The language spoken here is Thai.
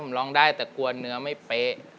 ผมร้องได้แต่กลัวเนื้อไม่เป๊ะ